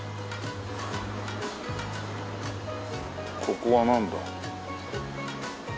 ここはなんだ？